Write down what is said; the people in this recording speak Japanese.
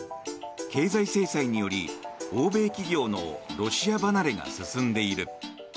経済制裁により欧米企業のロシア離れが進んでいる。